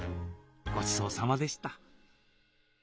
ごちそうさまでした。